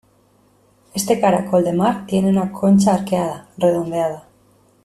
Este caracol de mar tiene una concha arqueada, redondeada.